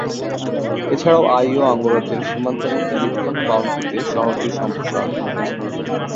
এছাড়াও আইওয়া অঙ্গরাজ্যের সীমান্তবর্তী লিংকন কাউন্টিতে শহরটির সম্প্রসারণ ঘটেছে।